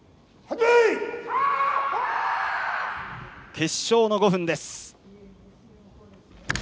決勝の５分です。